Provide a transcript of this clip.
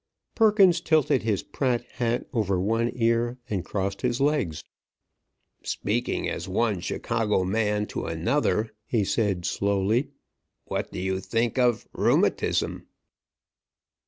Perkins tilted his Pratt hat over one ear, and crossed his legs. "Speaking as one Chicago man to another," he said slowly, "what do you think of rheumatism?"